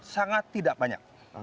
sangat tidak banyak